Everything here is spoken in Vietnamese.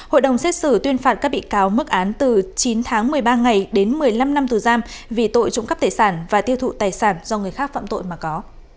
hội đồng xét xử tuyên phạt các bị cáo mức án từ chín tháng một mươi ba ngày đến một mươi năm năm tù giam vì tội trộm cắp tài sản và tiêu thụ tài sản do người khác phạm tội mà có